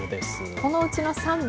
このうちの３匹？